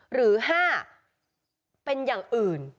หรือ๕เป็นอย่างอื่น